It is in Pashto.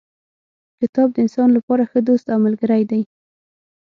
کتاب د انسان لپاره ښه دوست او ملګری دی.